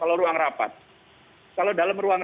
kalau ruang rapat kalau dalam ruang